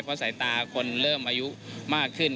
เพราะสายตาคนเริ่มอายุมากขึ้น